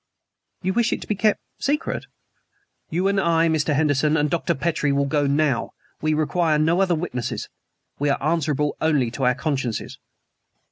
"You wish it to be kept secret?" "You and I, Mr. Henderson, and Dr. Petrie will go now. We require no other witnesses. We are answerable only to our consciences."